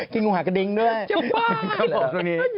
กินงูห่างกระดิ้งด้วย